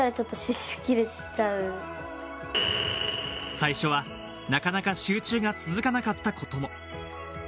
最初は、なかなか集中が続かなかったことも。